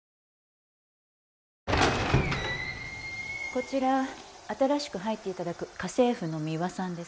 こちら新しく入って頂く家政婦のミワさんです。